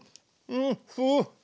うん。